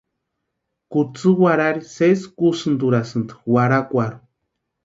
Kutsï warhari sési kusïnturhasïni warhakwarhu.